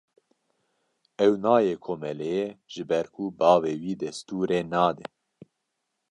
Ew nayê komeleyê ji ber ku bavê wî destûrê nade.